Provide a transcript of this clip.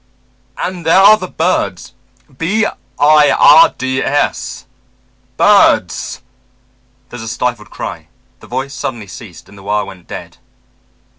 And there are the birds b i r d s, birds " There was a stifled cry, the voice suddenly ceased, and the wire went dead.